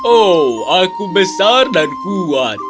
oh aku besar dan kuat